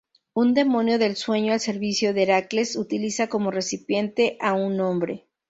Un demonio del sueño al servicio de Heracles, utiliza como recipiente a un hombre.